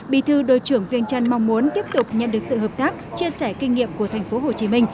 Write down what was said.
bí thư đội trưởng viêng trăn mong muốn tiếp tục nhận được sự hợp tác chia sẻ kinh nghiệm của tp hcm